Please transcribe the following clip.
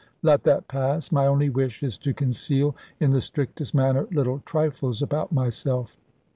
Let that pass; my only wish is to conceal, in the strictest manner, little trifles about myself.